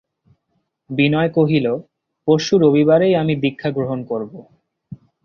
বিনয় কহিল, পরশু রবিবারেই আমি দীক্ষা গ্রহণ করব।